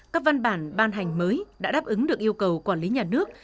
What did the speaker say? các văn bản ban hành mới đã đáp ứng được yêu cầu quản lý nhà nước